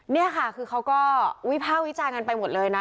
นี่ค่ะคือเขาก็วิภาควิจารณ์กันไปหมดเลยนะ